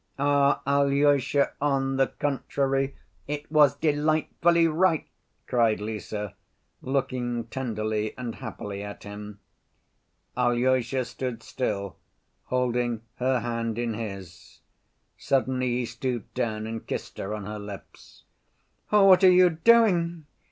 "Ah, Alyosha, on the contrary, it was delightfully right," cried Lise, looking tenderly and happily at him. Alyosha stood still, holding her hand in his. Suddenly he stooped down and kissed her on her lips. "Oh, what are you doing?"